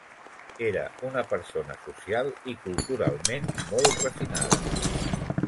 Era una persona social i culturalment molt refinada.